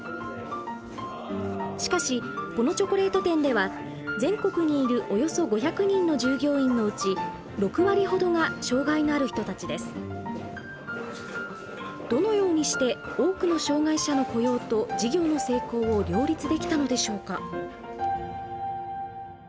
しかしこのチョコレート店では全国にいるおよそ５００人の従業員のうちどのようにして多くの障害者の雇用と事業の成功を両立できたのでしょうか。